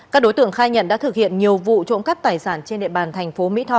các đối tượng khai nhận đã thực hiện nhiều vụ trộm cắp tài sản trên địa bàn thành phố mỹ tho